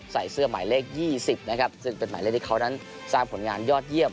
ใส่เสื้อหมายเลข๒๐นะครับซึ่งเป็นหมายเลขที่เขานั้นสร้างผลงานยอดเยี่ยม